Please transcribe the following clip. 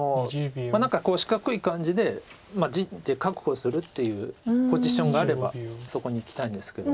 何か四角い感じで地って確保するっていうポジションがあればそこにいきたいんですけども。